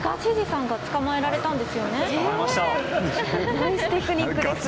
ナイステクニックですね。